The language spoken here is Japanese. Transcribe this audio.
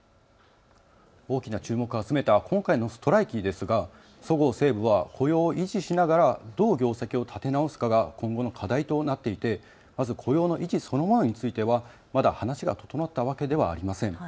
大きな注目を集めた今回のストライキですがそごう・西武は雇用を維持しながらどう業績を立て直すかが今後の課題となっていてまず雇用の維持そのものについてはまだ話が整ったわけではありません。